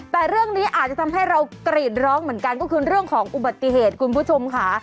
แต่เรื่องนี้อาจจะทำให้เรากรีดร้องเหมือนกันก็คือเรื่องของอุบัติเหตุคุณผู้ชมค่ะ